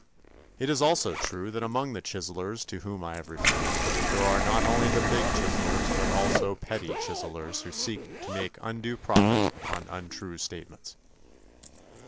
It is also true that among the chiselers to whom I have referred, there are not only the big chiselers but also petty chiselers who seek to make undue profit on untrue statements.